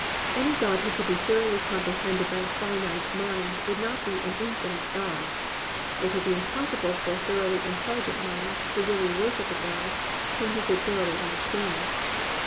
Any god who could be thoroughly comprehended by a finite mind would not be an infinite God. It would be impossible for a thoroughly intelligent mind to really worship a god whom he could thoroughly understand.